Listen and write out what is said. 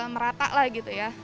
merata lah gitu ya